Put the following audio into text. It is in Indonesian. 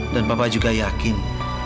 dan papa juga yakin